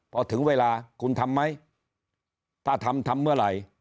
พอถึงเวลาคุณทำไหมถ้าทำทำเมื่อไหร่